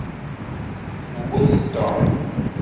Wwet Tom.